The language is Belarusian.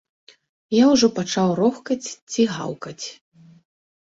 Я ўжо пачаў рохкаць ці гаўкаць!